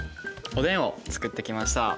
おでんを作ってきました。